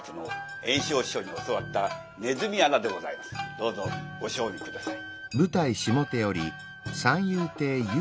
どうぞご賞味下さい。